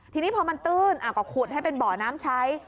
ทีนี้พอมันตื้นก็ขุดให้เป็นบ่อน้ำใช้